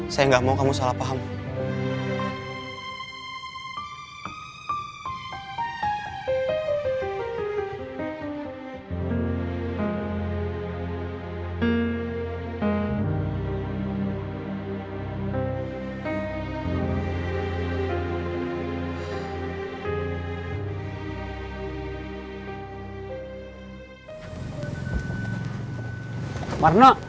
saya gak mau kamu salah paham